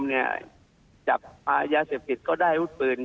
หรือว่าเกี่ยวพวกยายาเสียบติก็ได้หัววูดปืน